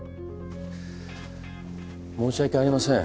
申し訳ありません